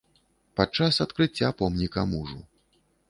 Падчас адкрыцця помніка мужу.